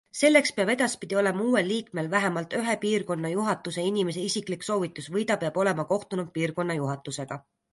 Selleks peab edaspidi olema uuel liikmel vähemalt ühe piirkonna juhatuse inimese isiklik soovitus või ta peab olema kohtunud piirkonna juhatusega.